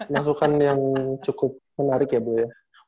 masukan yang cukup menarik ya bu ya